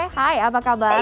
hai apa kabar